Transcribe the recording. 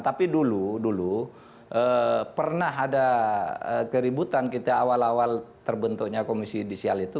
tapi dulu dulu pernah ada keributan kita awal awal terbentuknya komisi judisial itu